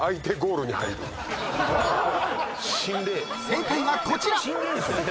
［正解はこちら］